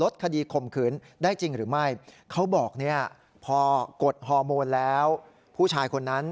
ดังนั้นจึงเอาข้อนี้มาใช้